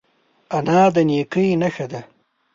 انا د نیکۍ نښه ده